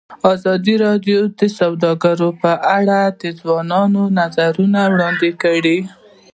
ازادي راډیو د سوداګري په اړه د ځوانانو نظریات وړاندې کړي.